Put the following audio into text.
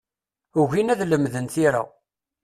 Ugin ad lemden tira.